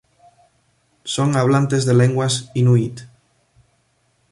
Son hablantes de lenguas inuit.